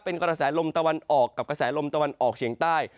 เป็นกระแสลมตะวันออกกับกระแสลมตะวันออกเฉียงใต้